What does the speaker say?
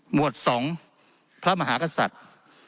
วด๒พระมหากษัตริย์